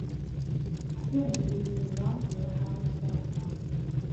Ḥṣiɣ belli iruḥ Yuba ɣer Ustralya.